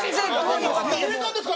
入れたんですか？